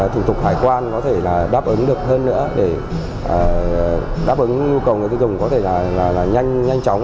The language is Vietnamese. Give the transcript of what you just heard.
thủ tục hải quan có thể là đáp ứng được hơn nữa để đáp ứng nhu cầu người tiêu dùng có thể là nhanh nhanh chóng